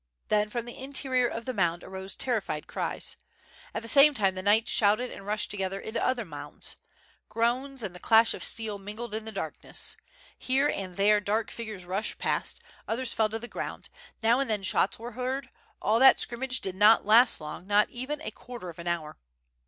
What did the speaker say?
Then from the interior of the mound arose terrified cries. At the same time the knights shouted and rushed together into other mounds. Groans and iho clash of steel mingled in the darkness. Here and there dark figures rushed past, others fell to the ground, now and then shots were heard; all that scrimmage did not last long, not even a quarter of an hour.